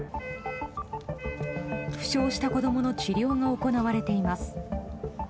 負傷した子供の治療が行われています。